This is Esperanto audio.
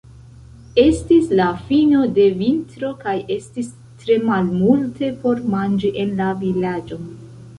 Estis la fino de vintro kaj estis tre malmulte por manĝi en la vilaĝo.